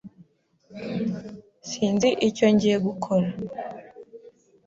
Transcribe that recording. Sinzi icyo ngiye gukora.